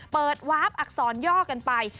เปิดวาร์ฟอักษรย่อกันไป